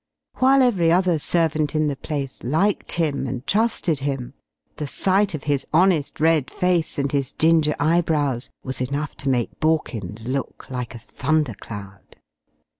While every other servant in the place liked him and trusted him, the sight of his honest, red face and his ginger eyebrows was enough to make Borkins look like a thundercloud.